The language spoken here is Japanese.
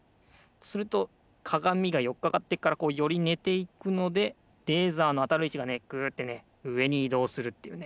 するとかがみがよっかかってるからこうよりねていくのでレーザーのあたるいちがねグッてねうえにいどうするっていうね